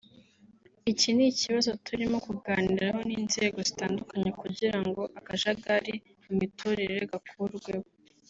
iki ni ikibazo turimo kuganiraho n’inzego zitandukanye kugira ngo akajagari mu miturire gakurweho